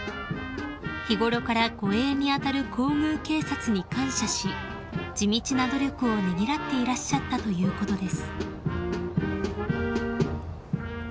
［日頃から護衛に当たる皇宮警察に感謝し地道な努力をねぎらっていらっしゃったということです］